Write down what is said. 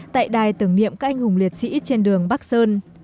tại đài tưởng niệm canh hùng liệt sĩ trên đường bắc sơn